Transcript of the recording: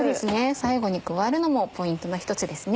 最後に加えるのもポイントの一つですね。